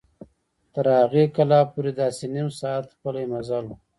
تر هغې کلا پورې داسې نیم ساعت پلي مزل و.